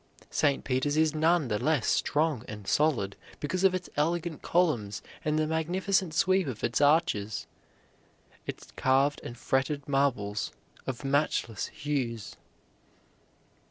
St. Peter's is none the less strong and solid because of its elegant columns and the magnificent sweep of its arches, its carved and fretted marbles of matchless hues.